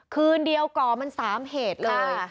คืนเดียวก่อมัน๓เหตุเลย